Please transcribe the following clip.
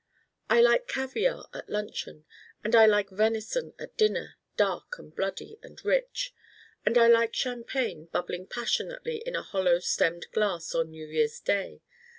I like caviare at luncheon. And I like venison at dinner, dark and bloody and rich. And I like champagne bubbling passionately in a hollow stemmed glass on New Year's day.